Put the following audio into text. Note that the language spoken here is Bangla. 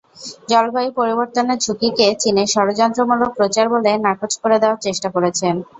জলবায়ু পরিবর্তনের ঝুঁকিকে চীনের ষড়যন্ত্রমূলক প্রচার বলে নাকচ করে দেওয়ার চেষ্টা করেছেন।